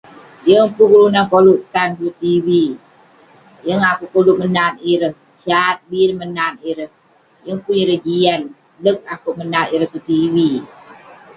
yeng pun kelunan koluk tan tong tv,yeng akouk koluk menat ireh, sat bi neh menat ireh, yeng pun ireh jian, lek akouk menat ireh tong tv